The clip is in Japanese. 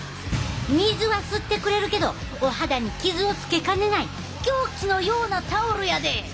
水は吸ってくれるけどお肌に傷をつけかねない凶器のようなタオルやで！